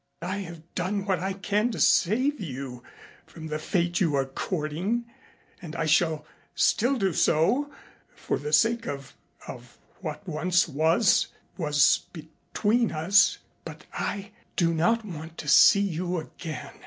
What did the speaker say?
I have done what I can to save you from the fate you're courting and I shall still do so, for the sake of of what once was was between us. But I do not want to see you again.